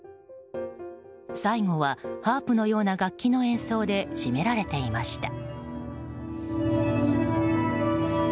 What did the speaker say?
最後はハープのような楽器の演奏で締められていました。